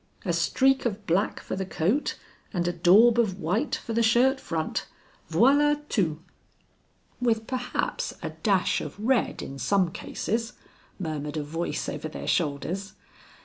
"A streak of black for the coat, and a daub of white for the shirt front. Voila tout." "With perhaps a dash of red in some cases," murmured a voice over their shoulders.